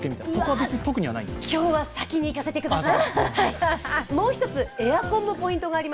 うわ、今日は先に行かせてください。